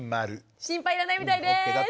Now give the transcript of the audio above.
心配いらないみたいです。